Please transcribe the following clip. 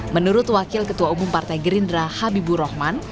menurut wakil ketua umum partai gerindra habibur rahman